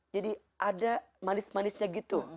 jadi ada manis manisnya gitu